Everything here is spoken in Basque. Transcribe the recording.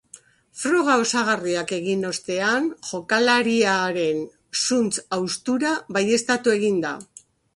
Froga osagarriak egin ostean, jokalariaren zuntz-haustura baieztatu egin da.